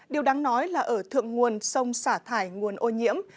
điều đáng nói là ở thượng nguồn sông xả thải nguồn ô nhiễm